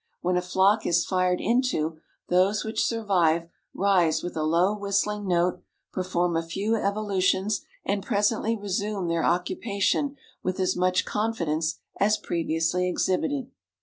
When a flock is fired into, those which survive rise with a low whistling note, perform a few evolutions and presently resume their occupation with as much confidence as previously exhibited."